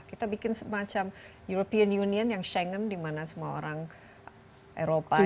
kita bikin semacam european union yang schengen dimana semua orang eropa itu